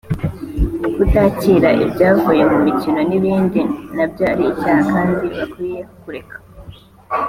kutakira ibyavuye mu mukino n’ibindi nabyo ari icyaha kandi bakwiye kureka